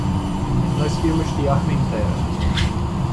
Nós viemos de Armentera.